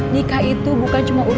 nikah itu bukan untuk mencari